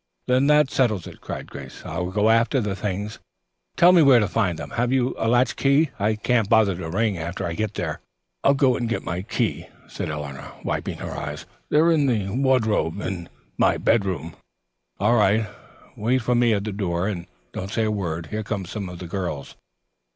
"Then that settles it," cried Grace. "I will go after the things. Tell me where to find them. Have you a latch key? I can't bother to ring after I get there." "I'll go and get my key," said Eleanor, wiping her eyes. "They're in the wardrobe in my bedroom." "All right, wait for me at the door and don't say a word. Here come some of the girls."